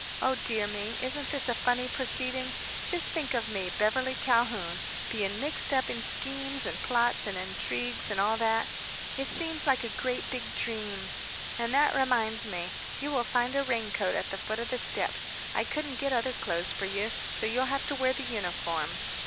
"Oh, dear me! Isn't this a funny proceeding? Just think of me, Beverly Calhoun, being mixed up in schemes and plots and intrigues and all that. It seems like a great big dream. And that reminds me: you will find a raincoat at the foot of the steps. I couldn't get other clothes for you, so you'll have to wear the uniform.